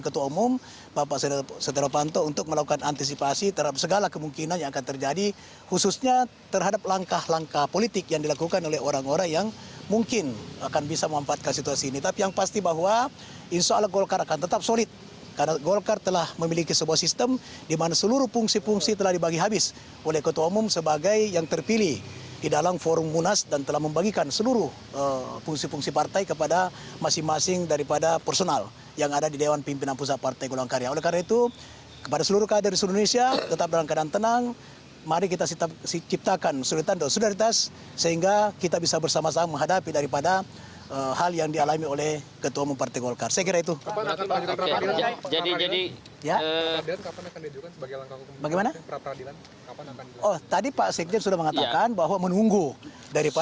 tadi pak sekjen sudah mengatakan bahwa menunggu daripada surat penetapan resmi